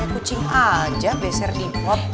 saya kucing aja beser di pop